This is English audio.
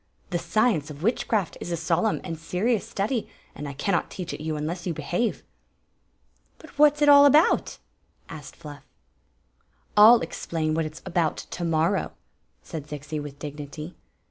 The science of witchcraft is a solemn and serious study, and I cannot teach it you unless you behave." " But what s it all about?" asked Fluff. " 1 11 explain what it s about to morrow," said Zixi with dignity.